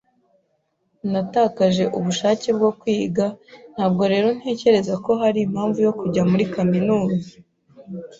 Natakaje ubushake bwo kwiga, ntabwo rero ntekereza ko hari impamvu yo kujya muri kaminuza.